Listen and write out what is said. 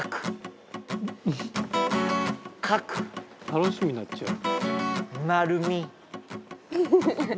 楽しみになっちゃう。